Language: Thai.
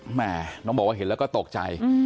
แม่น้องบอกว่าเห็นแล้วก็ตกใจ